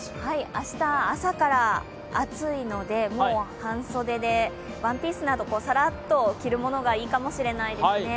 明日、朝から暑いので、半袖でワンピースなどさらっと着るものがいいかもしれないですね。